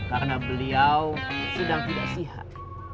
karena beliau sedang tidak sihat